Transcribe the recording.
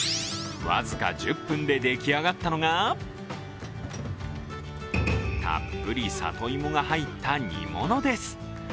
僅か１０分ででき上がったのが、たっぷり里芋が入った煮物です。